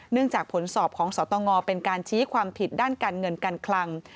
จากผลสอบของสตงเป็นการชี้ความผิดด้านการเงินการคลัง